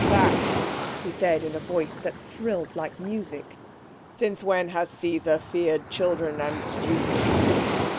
"Back!" he said in a voice that thrilled like music. "Since when has Caesar feared children and students?"